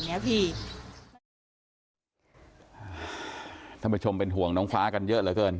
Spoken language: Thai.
ท่านผู้ชมเป็นห่วงน้องฟ้ากันเยอะเหลือเกิน